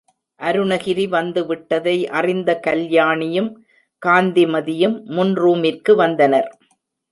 அருணகிரி வந்து விட்டதை அறிந்த கல்யாணியும் காந்திமதியும் முன் ரூமிற்கு வந்தனர்.